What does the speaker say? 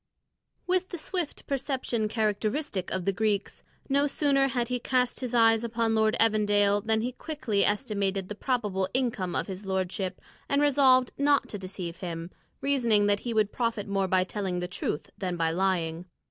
With the swift perception characteristic of the Greeks, no sooner had he cast his eyes upon Lord Evandale than he quickly estimated the probable income of his lordship and resolved not to deceive him, reasoning that he would profit more by telling the truth than by lying.